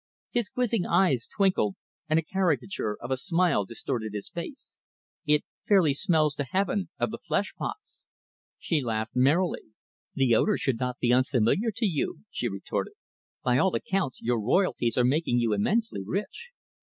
His quizzing eyes twinkled, and a caricature of a smile distorted his face. "It fairly smells to heaven of the flesh pots." She laughed merrily. "The odor should not be unfamiliar to you," she retorted. "By all accounts, your royalties are making you immensely rich.